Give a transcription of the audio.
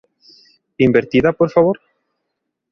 Invertida, por favor?.